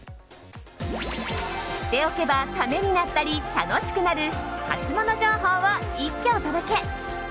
知っておけばためになったり楽しくなるハツモノ情報を一挙お届け！